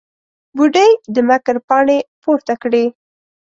بوډۍ د مکر پاڼې پورته کړې.